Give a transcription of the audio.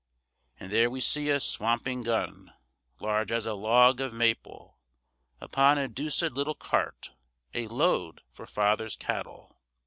And there we see a swamping gun, Large as a log of maple, Upon a deucèd little cart, A load for father's cattle.